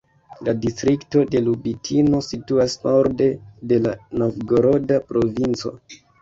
La distrikto de Lubitino situas norde de la Novgoroda provinco.